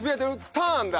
ターンだ。